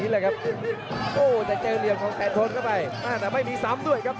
ดีเลยครับโอ้จะเจอเหรียญของแผนพนธ์เข้าไปอ่าแต่ไม่มีสามด้วยครับ